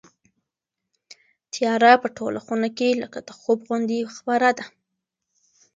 تیاره په ټوله خونه کې لکه د خوب غوندې خپره ده.